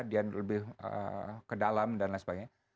dia lebih ke dalam dan lain sebagainya